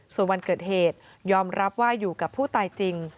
ส่วนวันเกิดเหตุยอมรับว่าอยู่กับผู้ตายจริง